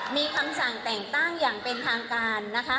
มีคำสั่งแต่งตั้งอย่างเป็นทางการนะคะ